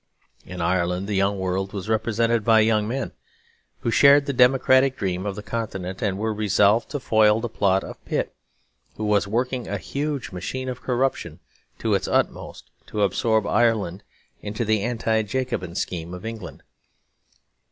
In Ireland the young world was represented by young men, who shared the democratic dream of the Continent, and were resolved to foil the plot of Pitt; who was working a huge machine of corruption to its utmost to absorb Ireland into the Anti Jacobin scheme of England.